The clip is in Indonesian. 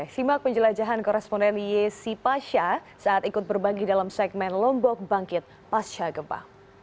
simak penjelajahan koresponden yesi pasha saat ikut berbagi dalam segmen lombok bangkit pasca gempa